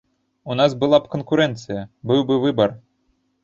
У нас была б канкурэнцыя, быў бы выбар.